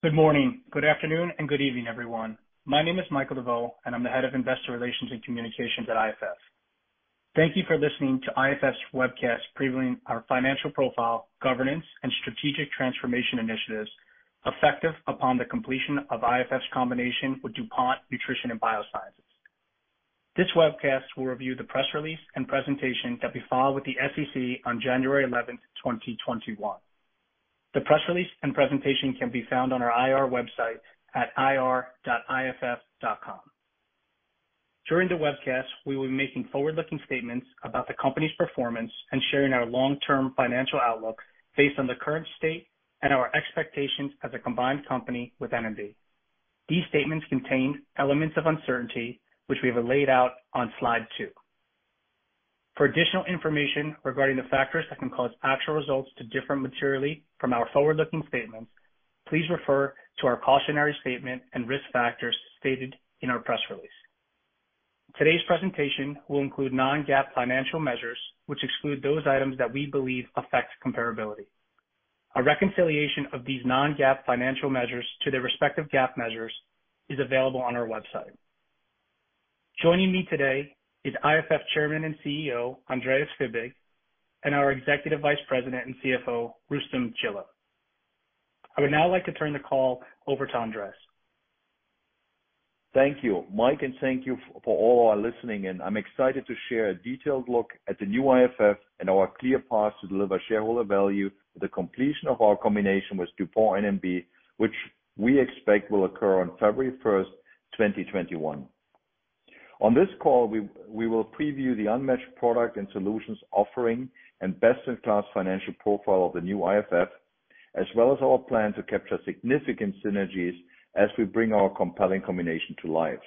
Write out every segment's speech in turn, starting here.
Good morning, good afternoon, and good evening, everyone. My name is Michael DeVeau, and I'm the Head of Investor Relations and Communications at IFF. Thank you for listening to IFF's webcast previewing our financial profile, governance, and strategic transformation initiatives effective upon the completion of IFF's combination with DuPont Nutrition & Biosciences. This webcast will review the press release and presentation that we filed with the SEC on January 11, 2021. The press release and presentation can be found on our IR website at ir.iff.com. During the webcast, we will be making forward-looking statements about the company's performance and sharing our long-term financial outlook based on the current state and our expectations as a combined company with N&B. These statements contain elements of uncertainty, which we have laid out on slide two. For additional information regarding the factors that can cause actual results to differ materially from our forward-looking statements, please refer to our cautionary statement and risk factors stated in our press release. Today's presentation will include non-GAAP financial measures, which exclude those items that we believe affect comparability. A reconciliation of these non-GAAP financial measures to their respective GAAP measures is available on our website. Joining me today is IFF Chairman and CEO, Andreas Fibig, and our Executive Vice President and CFO, Rustom Jilla. I would now like to turn the call over to Andreas. Thank you, Mike, and thank you for all who are listening in. I'm excited to share a detailed look at the new IFF and our clear path to deliver shareholder value with the completion of our combination with DuPont N&B, which we expect will occur on February 1st, 2021. On this call, we will preview the unmatched product and solutions offering and best-in-class financial profile of the new IFF, as well as our plan to capture significant synergies as we bring our compelling combination to life.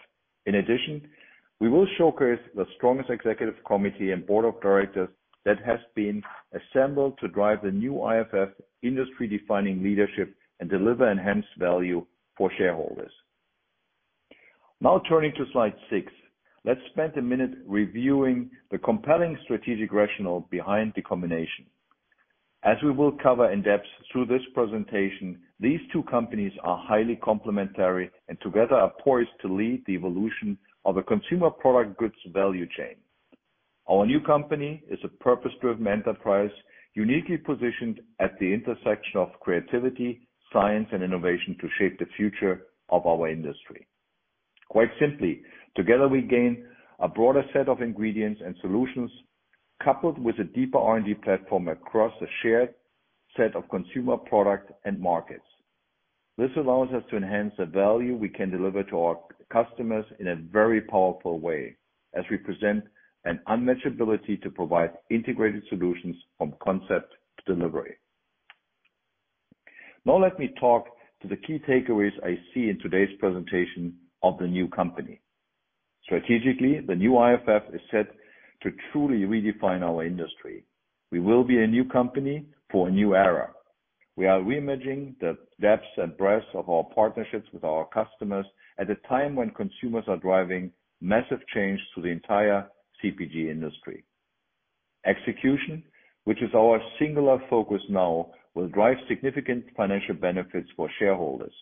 We will showcase the strongest Executive Committee and Board of Directors that has been assembled to drive the new IFF industry-defining leadership and deliver enhanced value for shareholders. Now turning to slide six, let's spend a minute reviewing the compelling strategic rationale behind the combination. As we will cover in depth through this presentation, these two companies are highly complementary and together are poised to lead the evolution of the consumer product goods value chain. Our new company is a purpose-driven enterprise uniquely positioned at the intersection of creativity, science, and innovation to shape the future of our industry. Quite simply, together, we gain a broader set of ingredients and solutions coupled with a deeper R&D platform across a shared set of consumer product and markets. This allows us to enhance the value we can deliver to our customers in a very powerful way as we present an unmatched ability to provide integrated solutions from concept to delivery. Let me talk to the key takeaways I see in today's presentation of the new company. Strategically, the new IFF is set to truly redefine our industry. We will be a new company for a new era. We are reimagining the depth and breadth of our partnerships with our customers at a time when consumers are driving massive change to the entire CPG industry. Execution, which is our singular focus now, will drive significant financial benefits for shareholders.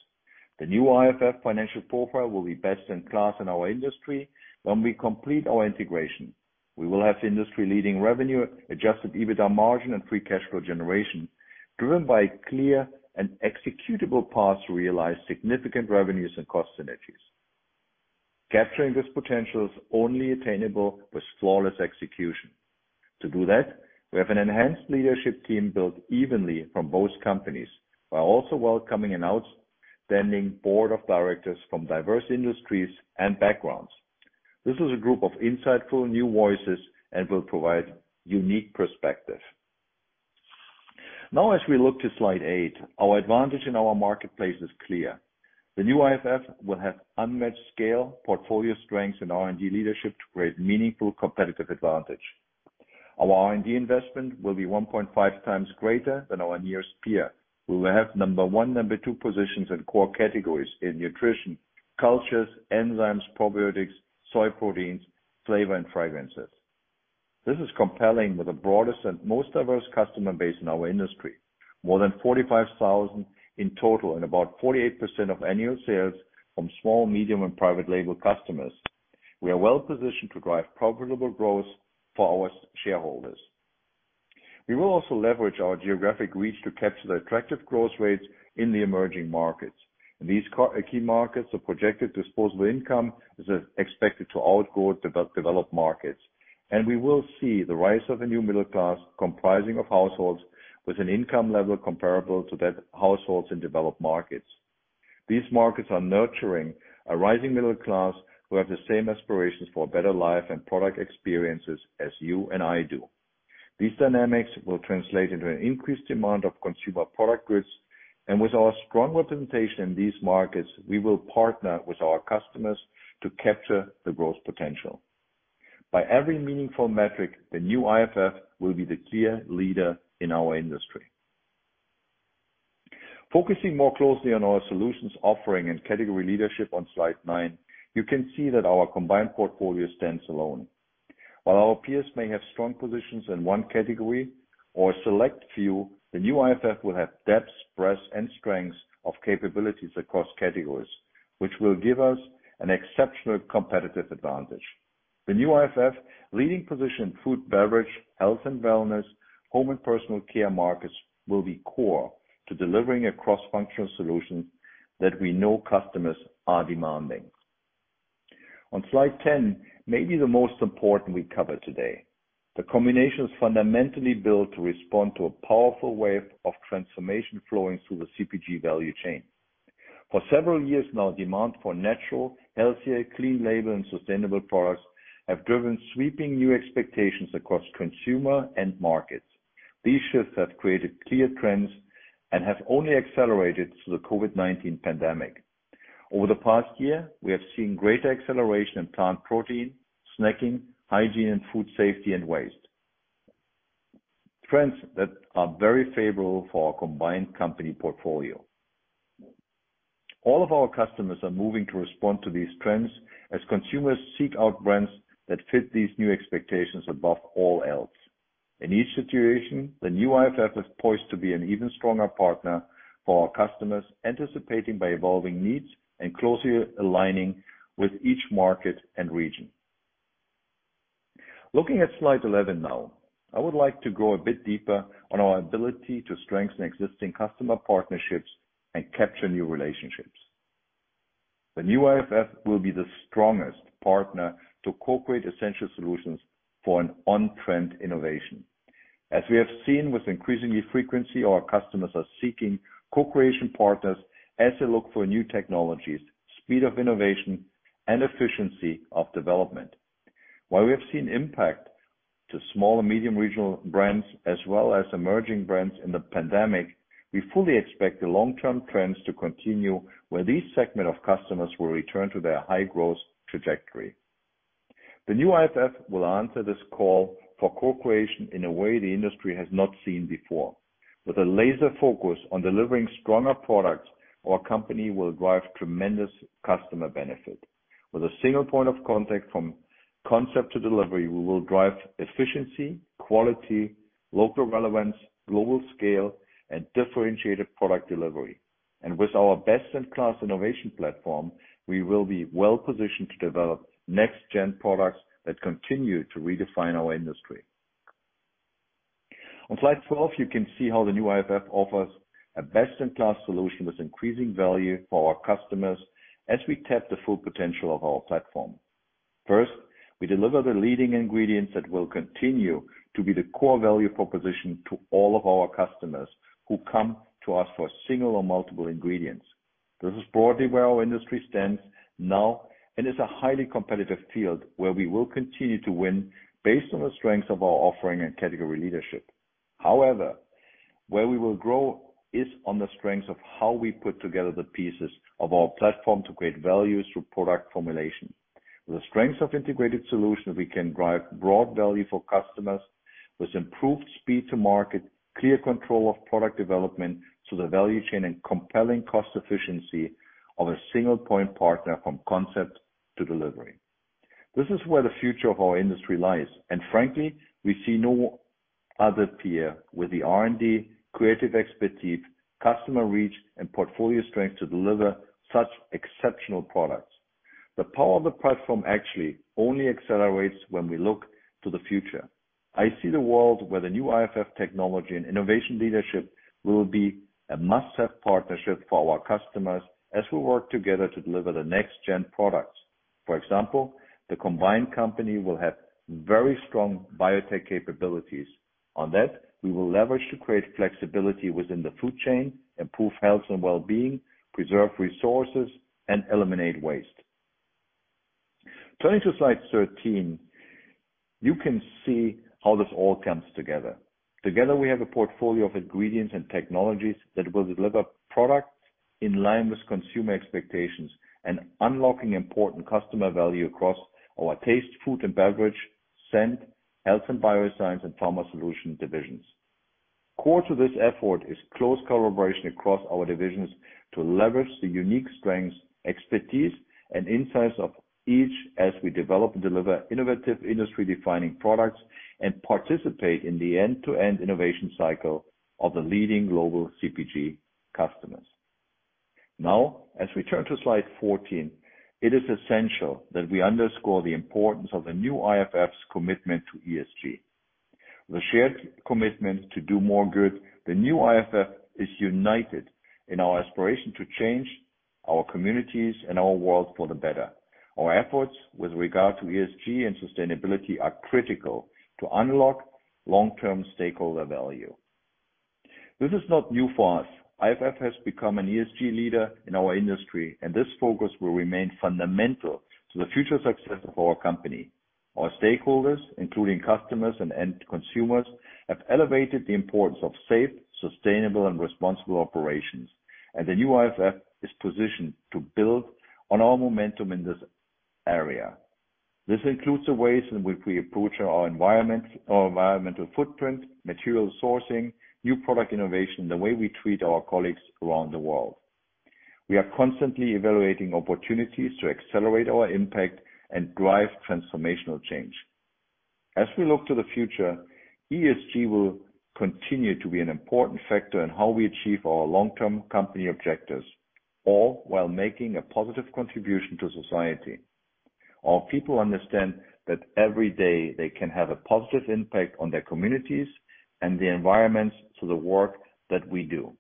The new IFF financial profile will be best in class in our industry when we complete our integration. We will have industry-leading revenue, adjusted EBITDA margin, and free cash flow generation driven by clear and executable paths to realize significant revenues and cost synergies. Capturing this potential is only attainable with flawless execution. To do that, we have an enhanced leadership team built evenly from both companies, while also welcoming an outstanding board of directors from diverse industries and backgrounds. This is a group of insightful new voices and will provide unique perspective. Now as we look to slide eight, our advantage in our marketplace is clear. The new IFF will have unmatched scale, portfolio strength, and R&D leadership to create meaningful competitive advantage. Our R&D investment will be 1.5x greater than our nearest peer, who will have number one, number two positions in core categories in nutrition, cultures, enzymes, probiotics, soy proteins, flavor, and fragrances. This is compelling with the broadest and most diverse customer base in our industry. More than 45,000 in total and about 48% of annual sales from small, medium, and private label customers. We are well positioned to drive profitable growth for our shareholders. We will also leverage our geographic reach to capture the attractive growth rates in the emerging markets. In these key markets, the projected disposable income is expected to outgrow developed markets, and we will see the rise of a new middle class comprising of households with an income level comparable to that of households in developed markets. These markets are nurturing a rising middle class who have the same aspirations for a better life and product experiences as you and I do. These dynamics will translate into an increased demand of consumer product goods, and with our strong representation in these markets, we will partner with our customers to capture the growth potential. By every meaningful metric, the new IFF will be the clear leader in our industry. Focusing more closely on our solutions offering and category leadership on slide nine, you can see that our combined portfolio stands alone. Our peers may have strong positions in one category or a select few, the new IFF will have depth, breadth, and strengths of capabilities across categories, which will give us an exceptional competitive advantage. The new IFF leading position in food, beverage, health and wellness, home and personal care markets will be core to delivering a cross-functional solution that we know customers are demanding. On slide 10, maybe the most important we cover today, the combination is fundamentally built to respond to a powerful wave of transformation flowing through the CPG value chain. Several years now, demand for natural, healthier, clean label, and sustainable products have driven sweeping new expectations across consumer end markets. These shifts have created clear trends and have only accelerated through the COVID-19 pandemic. Over the past year, we have seen greater acceleration in plant protein, snacking, hygiene, and food safety and waste, trends that are very favorable for our combined company portfolio. All of our customers are moving to respond to these trends as consumers seek out brands that fit these new expectations above all else. In each situation, the new IFF is poised to be an even stronger partner for our customers, anticipating by evolving needs and closely aligning with each market and region. Looking at slide 11 now, I would like to go a bit deeper on our ability to strengthen existing customer partnerships and capture new relationships. The new IFF will be the strongest partner to co-create essential solutions for an on-trend innovation. As we have seen with increasing frequency, our customers are seeking co-creation partners as they look for new technologies, speed of innovation, and efficiency of development. While we have seen impact to small and medium regional brands as well as emerging brands in the pandemic, we fully expect the long-term trends to continue, where this segment of customers will return to their high-growth trajectory. The new IFF will answer this call for co-creation in a way the industry has not seen before. With a laser focus on delivering stronger products, our company will drive tremendous customer benefit. With a single point of contact from concept to delivery, we will drive efficiency, quality, local relevance, global scale, and differentiated product delivery. With our best-in-class innovation platform, we will be well positioned to develop next-gen products that continue to redefine our industry. On slide 12, you can see how the new IFF offers a best-in-class solution with increasing value for our customers as we tap the full potential of our platform. First, we deliver the leading ingredients that will continue to be the core value proposition to all of our customers who come to us for single or multiple ingredients. This is broadly where our industry stands now, and it's a highly competitive field where we will continue to win based on the strength of our offering and category leadership. However, where we will grow is on the strength of how we put together the pieces of our platform to create value through product formulation. With the strengths of integrated solutions, we can drive broad value for customers with improved speed to market, clear control of product development through the value chain, and compelling cost efficiency of a single-point partner from concept to delivery. This is where the future of our industry lies. Frankly, we see no other peer with the R&D, creative expertise, customer reach, and portfolio strength to deliver such exceptional products. The power of the platform actually only accelerates when we look to the future. I see the world where the new IFF technology and innovation leadership will be a must-have partnership for our customers as we work together to deliver the next-gen products. For example, the combined company will have very strong biotech capabilities. On that, we will leverage to create flexibility within the food chain, improve health and well-being, preserve resources, and eliminate waste. Turning to slide 13, you can see how this all comes together. Together, we have a portfolio of ingredients and technologies that will deliver products in line with consumer expectations, and unlocking important customer value across our taste, food and beverage, scent, health and bioscience, and pharma solution divisions. Core to this effort is close collaboration across our divisions to leverage the unique strengths, expertise, and insights of each as we develop and deliver innovative, industry-defining products and participate in the end-to-end innovation cycle of the leading global CPG customers. As we turn to slide 14, it is essential that we underscore the importance of the new IFF's commitment to ESG. The shared commitment to do more good, the new IFF is united in our aspiration to change our communities and our world for the better. Our efforts with regard to ESG and sustainability are critical to unlock long-term stakeholder value. This is not new for us. IFF has become an ESG leader in our industry, and this focus will remain fundamental to the future success of our company. Our stakeholders, including customers and end consumers, have elevated the importance of safe, sustainable, and responsible operations, and the new IFF is positioned to build on our momentum in this area. This includes the ways in which we approach our environmental footprint, material sourcing, new product innovation, the way we treat our colleagues around the world. We are constantly evaluating opportunities to accelerate our impact and drive transformational change. As we look to the future, ESG will continue to be an important factor in how we achieve our long-term company objectives, all while making a positive contribution to society. Our people understand that every day they can have a positive impact on their communities and the environments through the work that we do.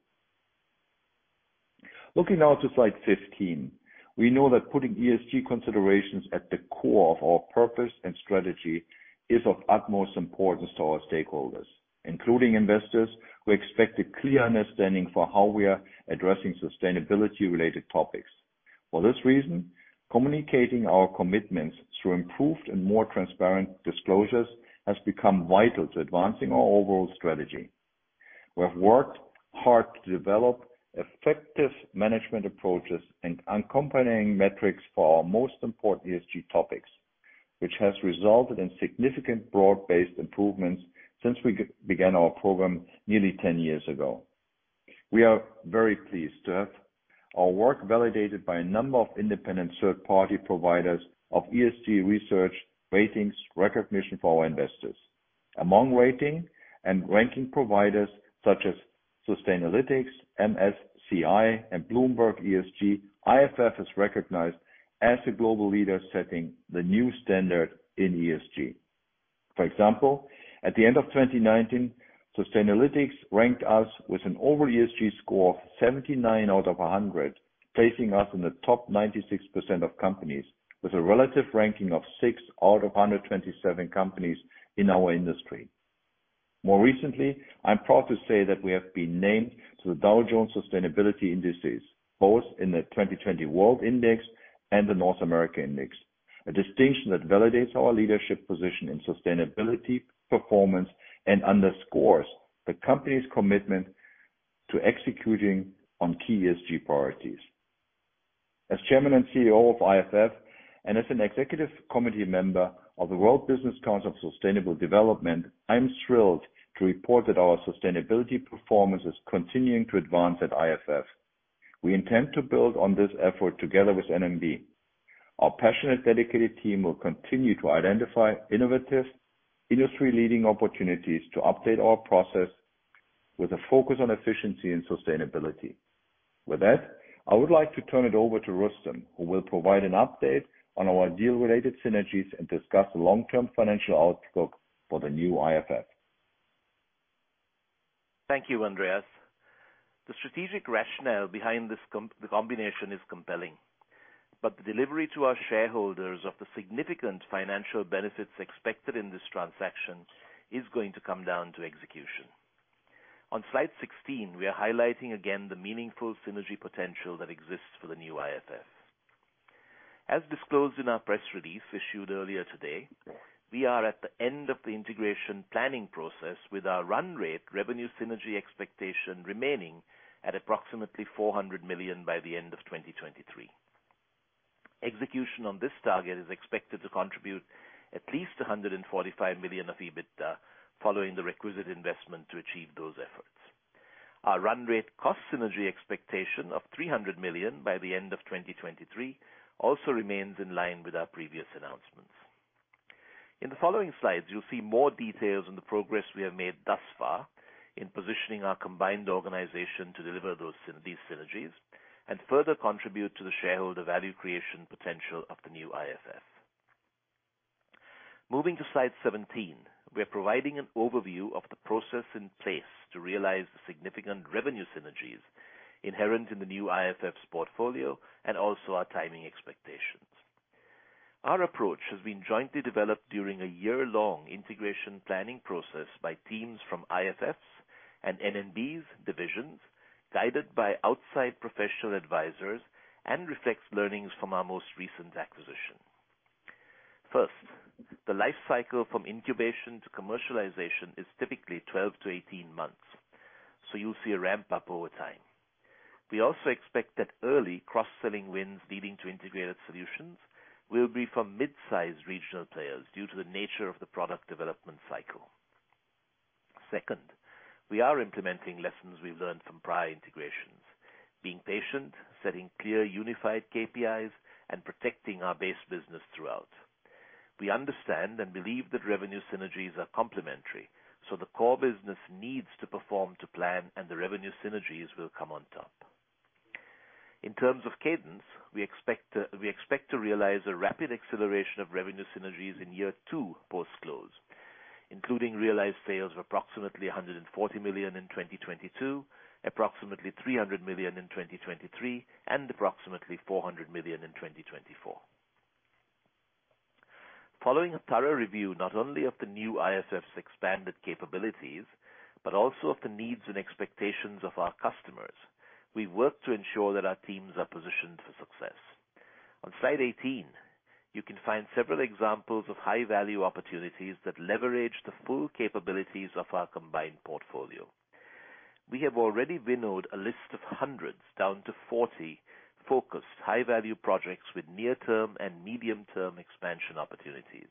Looking now to slide 15. We know that putting ESG considerations at the core of our purpose and strategy is of utmost importance to our stakeholders, including investors, who expect a clear understanding for how we are addressing sustainability-related topics. For this reason, communicating our commitments through improved and more transparent disclosures has become vital to advancing our overall strategy. We have worked hard to develop effective management approaches and accompanying metrics for our most important ESG topics, which has resulted in significant broad-based improvements since we began our program nearly 10 years ago. We are very pleased to have our work validated by a number of independent third-party providers of ESG research ratings recognition for our investors. Among rating and ranking providers such as Sustainalytics, MSCI, and Bloomberg ESG, IFF is recognized as a global leader setting the new standard in ESG. For example, at the end of 2019, Sustainalytics ranked us with an overall ESG score of 79 out of 100, placing us in the top 96% of companies, with a relative ranking of six out of 127 companies in our industry. More recently, I'm proud to say that we have been named to the Dow Jones Sustainability Indices, both in the 2020 World Index and the North America Index, a distinction that validates our leadership position in sustainability performance and underscores the company's commitment to executing on key ESG priorities. As Chairman and CEO of IFF, and as an executive committee member of the World Business Council for Sustainable Development, I'm thrilled to report that our sustainability performance is continuing to advance at IFF. We intend to build on this effort together with N&B. Our passionate, dedicated team will continue to identify innovative, industry-leading opportunities to update our process with a focus on efficiency and sustainability. With that, I would like to turn it over to Rustom, who will provide an update on our deal-related synergies and discuss the long-term financial outlook for the new IFF. Thank you, Andreas. The strategic rationale behind the combination is compelling, the delivery to our shareholders of the significant financial benefits expected in this transaction is going to come down to execution. On slide 16, we are highlighting again the meaningful synergy potential that exists for the new IFF. As disclosed in our press release issued earlier today, we are at the end of the integration planning process with our run rate revenue synergy expectation remaining at approximately $400 million by the end of 2023. Execution on this target is expected to contribute at least $145 million of EBITDA following the requisite investment to achieve those efforts. Our run rate cost synergy expectation of $300 million by the end of 2023 also remains in line with our previous announcements. In the following slides, you'll see more details on the progress we have made thus far in positioning our combined organization to deliver these synergies and further contribute to the shareholder value creation potential of the new IFF. Moving to slide 17. We are providing an overview of the process in place to realize the significant revenue synergies inherent in the new IFF's portfolio and also our timing expectations. Our approach has been jointly developed during a year-long integration planning process by teams from IFF's and N&B's divisions, guided by outside professional advisors, and reflects learnings from our most recent acquisition. First, the life cycle from incubation to commercialization is typically 12-18 months. You'll see a ramp-up over time. We also expect that early cross-selling wins leading to integrated solutions will be from mid-sized regional players due to the nature of the product development cycle. Second, we are implementing lessons we've learned from prior integrations, being patient, setting clear unified KPIs, and protecting our base business throughout. We understand and believe that revenue synergies are complementary, so the core business needs to perform to plan and the revenue synergies will come on top. In terms of cadence, we expect to realize a rapid acceleration of revenue synergies in year two post-close, including realized sales of approximately $140 million in 2022, approximately $300 million in 2023, and approximately $400 million in 2024. Following a thorough review not only of the new IFF's expanded capabilities but also of the needs and expectations of our customers, we've worked to ensure that our teams are positioned for success. On slide 18, you can find several examples of high-value opportunities that leverage the full capabilities of our combined portfolio. We have already winnowed a list of hundreds down to 40 focused high-value projects with near-term and medium-term expansion opportunities.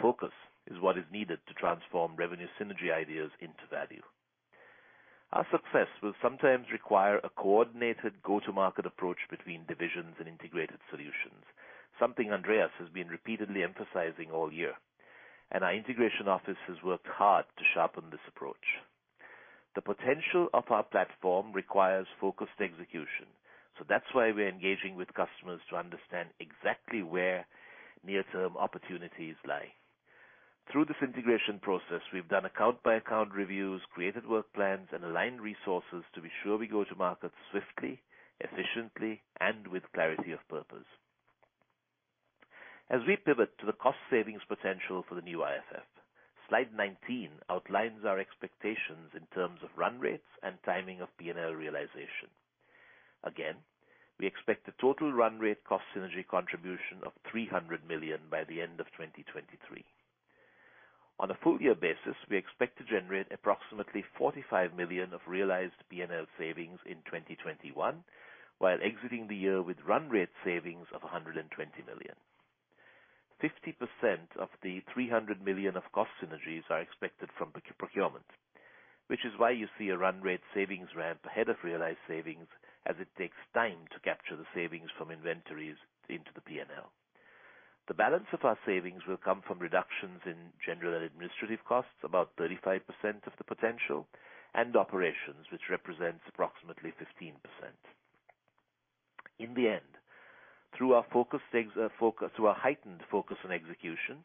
Focus is what is needed to transform revenue synergy ideas into value. Our success will sometimes require a coordinated go-to-market approach between divisions and integrated solutions, something Andreas has been repeatedly emphasizing all year, and our integration office has worked hard to sharpen this approach. The potential of our platform requires focused execution. That's why we're engaging with customers to understand exactly where near-term opportunities lie. Through this integration process, we've done account-by-account reviews, created work plans, and aligned resources to be sure we go to market swiftly, efficiently, and with clarity of purpose. As we pivot to the cost savings potential for the new IFF, slide 19 outlines our expectations in terms of run rates and timing of P&L realization. We expect a total run rate cost synergy contribution of $300 million by the end of 2023. On a full year basis, we expect to generate approximately $45 million of realized P&L savings in 2021, while exiting the year with run rate savings of $120 million. 50% of the $300 million of cost synergies are expected from procurement, which is why you see a run rate savings ramp ahead of realized savings, as it takes time to capture the savings from inventories into the P&L. The balance of our savings will come from reductions in general and administrative costs, about 35% of the potential, and operations, which represents approximately 15%. In the end, through our heightened focus on execution,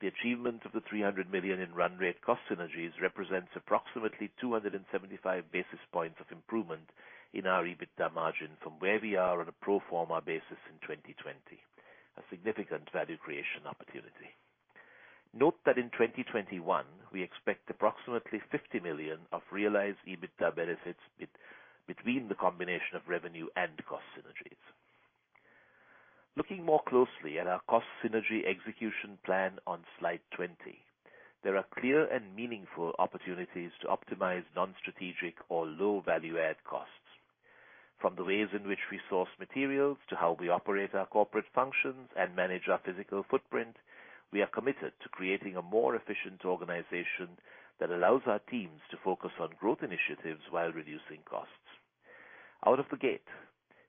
the achievement of the $300 million in run rate cost synergies represents approximately 275 basis points of improvement in our EBITDA margin from where we are on a pro forma basis in 2020, a significant value creation opportunity. Note that in 2021, we expect approximately $50 million of realized EBITDA benefits between the combination of revenue and cost synergies. Looking more closely at our cost synergy execution plan on slide 20, there are clear and meaningful opportunities to optimize non-strategic or low-value add costs. From the ways in which we source materials to how we operate our corporate functions and manage our physical footprint, we are committed to creating a more efficient organization that allows our teams to focus on growth initiatives while reducing costs. Out of the gate,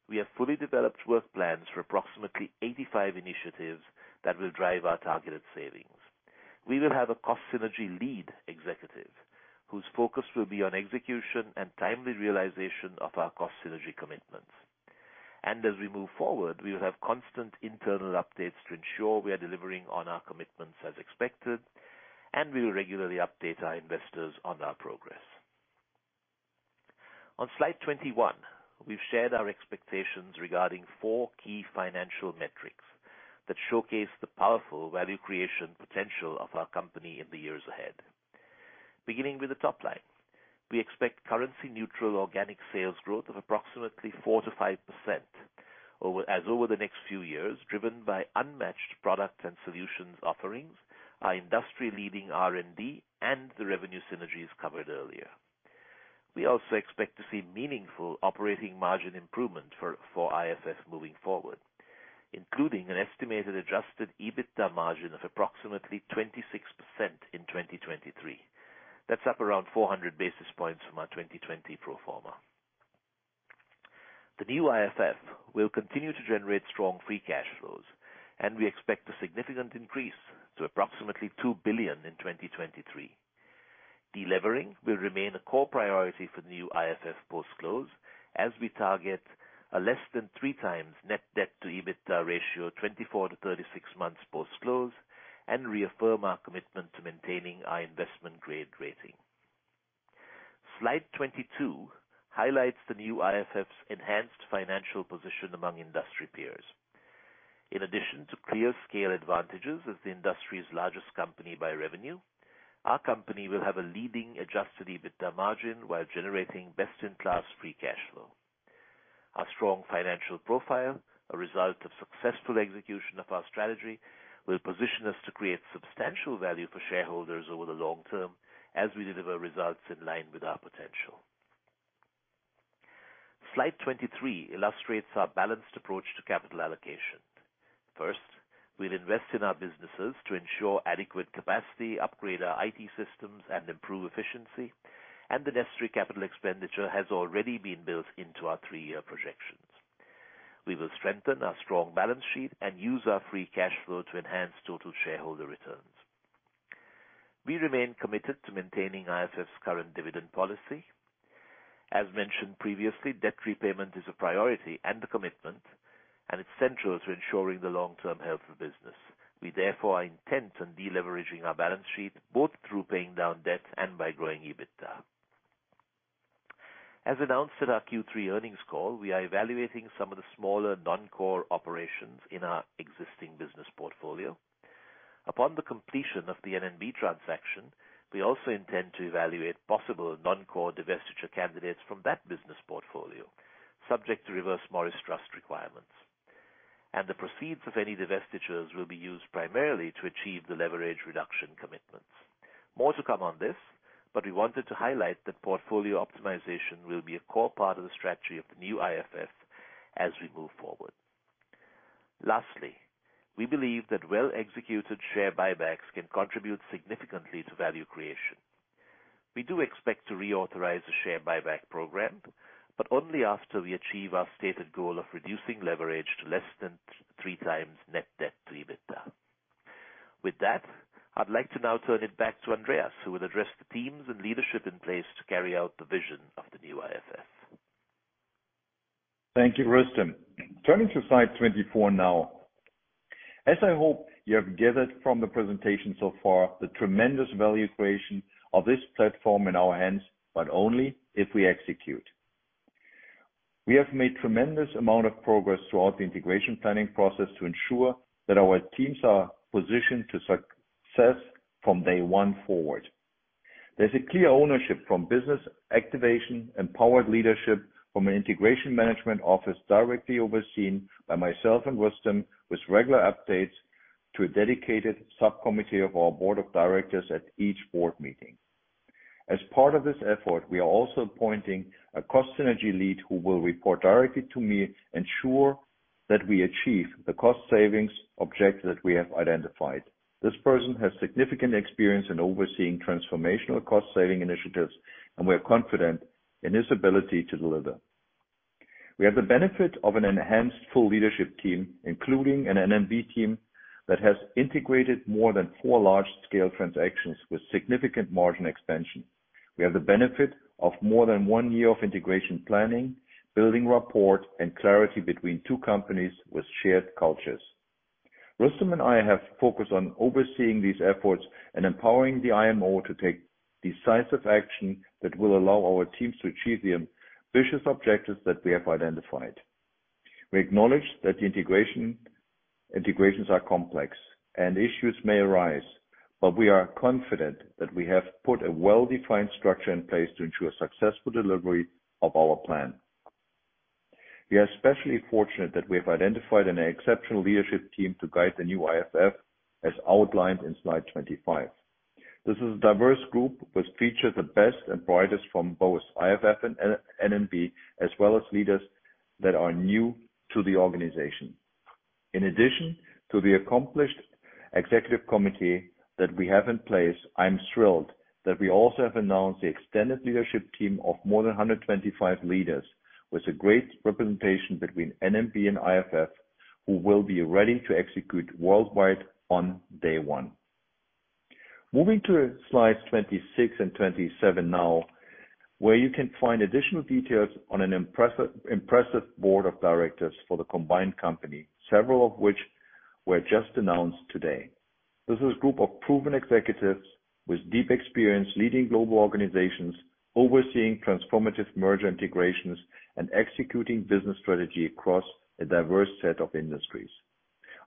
we have fully developed work plans for approximately 85 initiatives that will drive our targeted savings. We will have a cost synergy lead executive, whose focus will be on execution and timely realization of our cost synergy commitments. As we move forward, we will have constant internal updates to ensure we are delivering on our commitments as expected, and we will regularly update our investors on our progress. On slide 21, we've shared our expectations regarding four key financial metrics that showcase the powerful value creation potential of our company in the years ahead. Beginning with the top line, we expect currency-neutral organic sales growth of approximately 4%-5% as over the next few years, driven by unmatched product and solutions offerings, our industry-leading R&D, and the revenue synergies covered earlier. We also expect to see meaningful operating margin improvement for IFF moving forward, including an estimated adjusted EBITDA margin of approximately 26% in 2023. That's up around 400 basis points from our 2020 pro forma. The new IFF will continue to generate strong free cash flows, we expect a significant increase to approximately $2 billion in 2023. Delevering will remain a core priority for the new IFF post-close as we target a less than 3x net debt to EBITDA ratio 24-36 months post-close and reaffirm our commitment to maintaining our investment-grade rating. Slide 22 highlights the new IFF's enhanced financial position among industry peers. In addition to clear scale advantages as the industry's largest company by revenue, our company will have a leading adjusted EBITDA margin while generating best-in-class free cash flow. Our strong financial profile, a result of successful execution of our strategy, will position us to create substantial value for shareholders over the long term as we deliver results in line with our potential. Slide 23 illustrates our balanced approach to capital allocation. First, we'll invest in our businesses to ensure adequate capacity, upgrade our IT systems, and improve efficiency, and the necessary capital expenditure has already been built into our three-year projections. We will strengthen our strong balance sheet and use our free cash flow to enhance total shareholder returns. We remain committed to maintaining IFF's current dividend policy. As mentioned previously, debt repayment is a priority and a commitment, and it's central to ensuring the long-term health of business. We therefore are intent on deleveraging our balance sheet, both through paying down debt and by growing EBITDA. As announced at our Q3 earnings call, we are evaluating some of the smaller non-core operations in our existing business portfolio. Upon the completion of the N&B transaction, we also intend to evaluate possible non-core divestiture candidates from that business portfolio, subject to Reverse Morris Trust requirements. The proceeds of any divestitures will be used primarily to achieve the leverage reduction commitments. More to come on this, we wanted to highlight that portfolio optimization will be a core part of the strategy of the new IFF as we move forward. Lastly, we believe that well-executed share buybacks can contribute significantly to value creation. We do expect to reauthorize a share buyback program, but only after we achieve our stated goal of reducing leverage to less than 3x net debt to EBITDA. With that, I'd like to now turn it back to Andreas, who will address the teams and leadership in place to carry out the vision of the new IFF. Thank you, Rustom. Turning to slide 24 now. As I hope you have gathered from the presentation so far, the tremendous value creation of this platform in our hands, but only if we execute. We have made tremendous amount of progress throughout the integration planning process to ensure that our teams are positioned for success from day one forward. There's a clear ownership from business activation, empowered leadership from an integration management office directly overseen by myself and Rustom, with regular updates to a dedicated subcommittee of our board of directors at each board meeting. As part of this effort, we are also appointing a cost synergy lead who will report directly to me, ensure that we achieve the cost savings objectives that we have identified. This person has significant experience in overseeing transformational cost-saving initiatives, and we are confident in his ability to deliver. We have the benefit of an enhanced full leadership team, including an N&B team that has integrated more than four large-scale transactions with significant margin expansion. We have the benefit of more than one year of integration planning, building rapport, and clarity between two companies with shared cultures. Rustom and I have focused on overseeing these efforts and empowering the IMO to take decisive action that will allow our teams to achieve the ambitious objectives that we have identified. We acknowledge that integrations are complex and issues may arise, but we are confident that we have put a well-defined structure in place to ensure successful delivery of our plan. We are especially fortunate that we have identified an exceptional leadership team to guide the new IFF as outlined in slide 25. This is a diverse group which features the best and brightest from both IFF and N&B, as well as leaders that are new to the organization. In addition to the accomplished executive committee that we have in place, I'm thrilled that we also have announced the extended leadership team of more than 125 leaders, with a great representation between N&B and IFF, who will be ready to execute worldwide on day one. Moving to slides 26 and 27 now, where you can find additional details on an impressive board of directors for the combined company, several of which were just announced today. This is a group of proven executives with deep experience leading global organizations, overseeing transformative merger integrations, and executing business strategy across a diverse set of industries.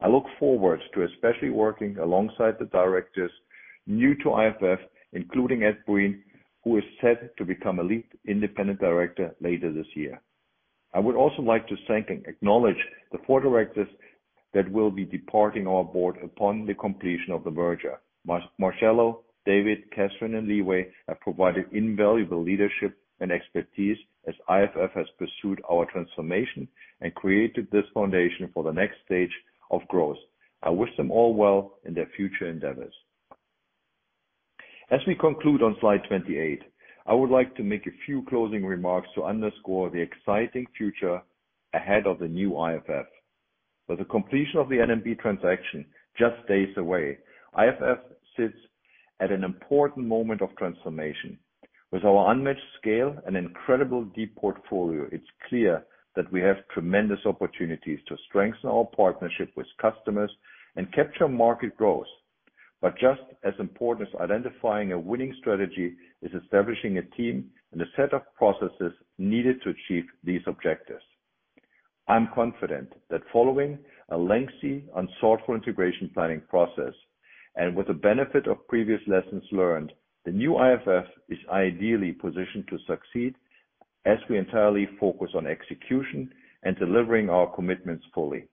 I look forward to especially working alongside the directors new to IFF, including Ed Breen, who is set to become a lead independent director later this year. I would also like to thank and acknowledge the four directors that will be departing our board upon the completion of the merger. Marcello, David, Kathryn, and Li-Huei have provided invaluable leadership and expertise as IFF has pursued our transformation and created this foundation for the next stage of growth. I wish them all well in their future endeavors. As we conclude on slide 28, I would like to make a few closing remarks to underscore the exciting future ahead of the new IFF. With the completion of the N&B transaction just days away, IFF sits at an important moment of transformation. With our unmatched scale and incredible deep portfolio, it's clear that we have tremendous opportunities to strengthen our partnership with customers and capture market growth. Just as important as identifying a winning strategy is establishing a team and a set of processes needed to achieve these objectives. I'm confident that following a lengthy and thoughtful integration planning process, and with the benefit of previous lessons learned, the new IFF is ideally positioned to succeed as we entirely focus on execution and delivering our commitments fully.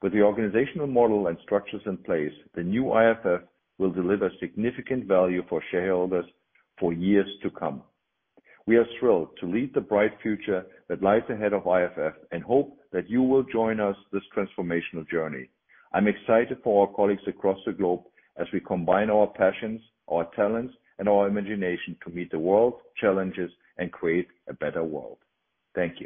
With the organizational model and structures in place, the new IFF will deliver significant value for shareholders for years to come. We are thrilled to lead the bright future that lies ahead of IFF and hope that you will join us this transformational journey. I'm excited for our colleagues across the globe as we combine our passions, our talents, and our imagination to meet the world's challenges and create a better world. Thank you.